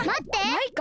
マイカ？